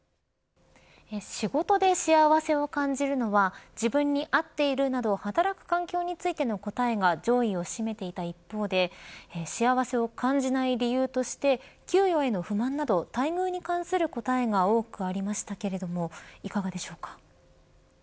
仕事で幸せを感じるのは自分に合っているなど働く環境についての答えが上位を占めていた一方で幸せを感じない理由として給与への不満など、待遇に関する答えが多くありましたけれどもいかがでしょうか。